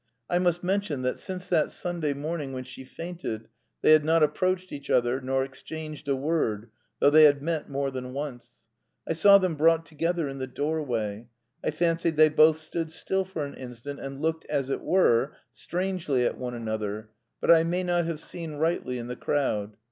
I must mention that since that Sunday morning when she fainted they had not approached each other, nor exchanged a word, though they had met more than once. I saw them brought together in the doorway. I fancied they both stood still for an instant, and looked, as it were, strangely at one another, but I may not have seen rightly in the crowd.